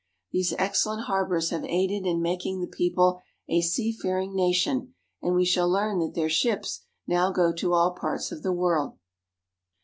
These excellent har bors have aided in making the people a seafaring nation, and we shall learn that their ships now go to all parts of the world.